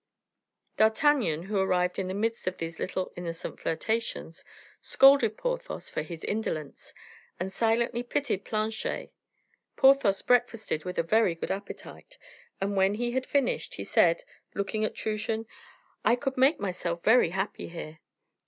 D'Artagnan, who arrived in the midst of these little innocent flirtations, scolded Porthos for his indolence, and silently pitied Planchet. Porthos breakfasted with a very good appetite, and when he had finished, he said, looking at Truchen, "I could make myself very happy here."